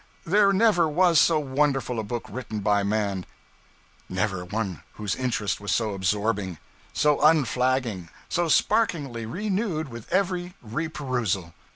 There never was so wonderful a book written by man; never one whose interest was so absorbing, so unflagging, so sparkingly renewed with every reperusal.